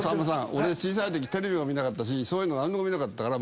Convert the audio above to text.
俺小さいときテレビも見なかったしそういうの何にも見なかったから。